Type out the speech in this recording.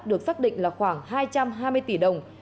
được xác định là khoảng hai trăm hai mươi tỷ đồng